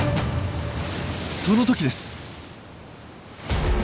その時です。